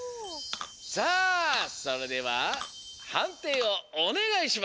さあそれでははんていをおねがいします！